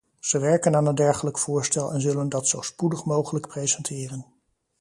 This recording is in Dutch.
Ze werken aan een dergelijk voorstel en zullen dat zo spoedig mogelijk presenteren.